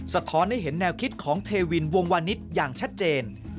สะท้อนให้เห็นแนวคิดของเทวินวงวานิสอย่างชัดเจน